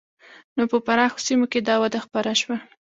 نو په پراخو سیمو کې دا وده خپره شوه.